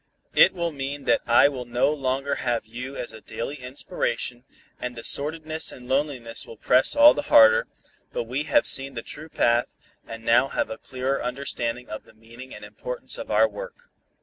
"It will mean that I will no longer have you as a daily inspiration, and the sordidness and loneliness will press all the harder, but we have seen the true path, and now have a clearer understanding of the meaning and importance of our work."